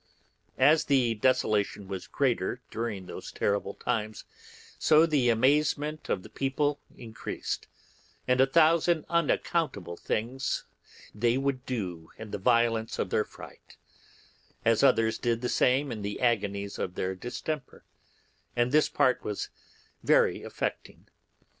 As the desolation was greater during those terrible times, so the amazement of the people increased, and a thousand unaccountable things they would do in the violence of their fright, as others did the same in the agonies of their distemper, and this part was very affecting.